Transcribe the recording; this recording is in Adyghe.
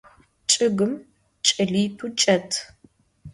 Ççıgım ç'elit'u çç'et.